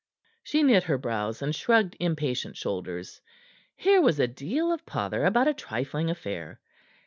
She knit her brows and shrugged impatient shoulders. Here was a deal of pother about a trifling affair.